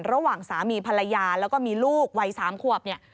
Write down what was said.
ระหว่างสามีภรรยาแล้วก็มีลูกวัย๓ครอบ